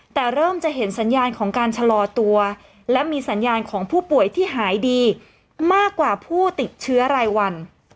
แต่เริ่มจะเห็นสัญญาณของการชะลอตัวและมีสัญญาณของผู้ป่วยที่หายดีมากกว่าผู้ติดเชื้อรายวัน